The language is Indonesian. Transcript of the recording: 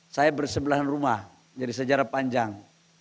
saya bersebelahan rumah jadi sejarah panjang